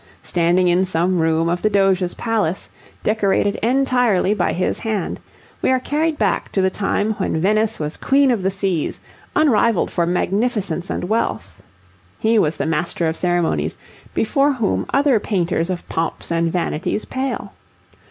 Standing in some room of the Doge's Palace, decorated entirely by his hand, we are carried back to the time when Venice was Queen of the Seas, unrivalled for magnificence and wealth. He was the Master of Ceremonies, before whom other painters of pomps and vanities pale.